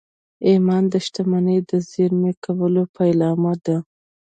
ایمان د شتمنۍ د زېرمه کولو پیلامه ده